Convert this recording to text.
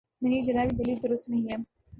نہیں جناب، یہ دلیل درست نہیں ہے۔